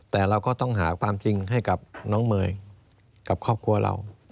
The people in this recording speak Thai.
แต่เราก็ต้องหาความจริงให้กับน้องเมย์กับครอบครัวเรา